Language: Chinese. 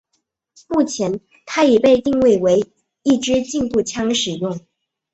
目前它已被定位为一枝竞赛步枪使用。